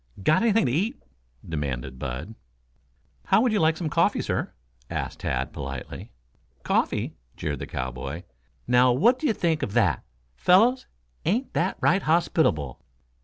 "Got anything to eat?" demanded Bud. "How would you like some coffee, sir?" asked Tad politely. "Coffee?" jeered the cowboy. "Now what d'ye think of that, fellows? Ain't that right hospitable?"